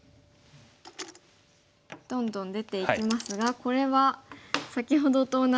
どんどん出ていきますがこれは先ほどと同じで。